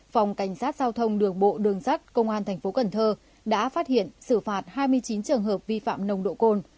phòng cảnh sát giao thông đường bộ đường sắt công an tp cn đã phát hiện xử phạt hai mươi chín trường hợp vi phạm nồng độ cồn